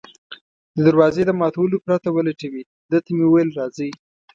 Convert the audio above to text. د دروازې د ماتولو پرته ولټوي، ده ته مې وویل: راځئ.